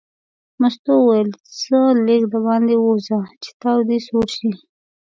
مستو وویل ځه لږ دباندې ووځه چې تاو دې سوړ شي.